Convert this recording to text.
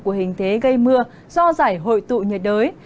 của hình thế gây mưa do giải hội tụ nhiệt đới